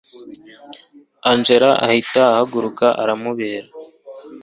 angella ahita ahaguruka aramubera